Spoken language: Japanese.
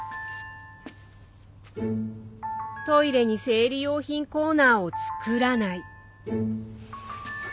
トイレに生理用品コーナーを作らない。